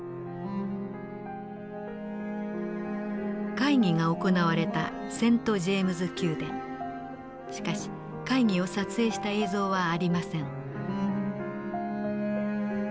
会議が行われたしかし会議を撮影した映像はありません。